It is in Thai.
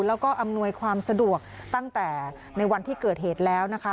แล้วก็อำนวยความสะดวกตั้งแต่ในวันที่เกิดเหตุแล้วนะคะ